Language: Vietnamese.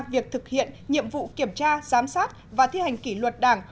việc thực hiện nhiệm vụ kiểm tra giám sát và thi hành kỷ luật đảng